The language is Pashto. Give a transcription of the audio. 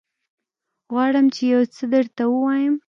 غواړم چې يوڅه درته ووايم.